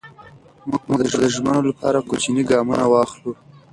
موږ به د ژمنو لپاره کوچني ګامونه واخلو.